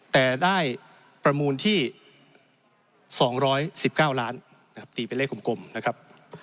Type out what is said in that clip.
แต่ได้ประมูลที่สองร้อยสิบเก้าล้านนะครับตีไปเลขกลมกลมนะครับ